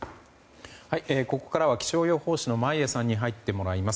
ここからは、気象予報士の眞家さんに入ってもらいます。